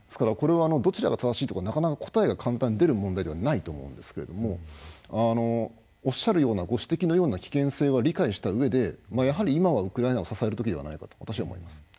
これはどちらが正しいとかなかなか答えが簡単に出る問題ではないと思うんですけれどもおっしゃるようなご指摘のような危険性は理解したうえでやはり今はウクライナを支えるときではないかと私は思います。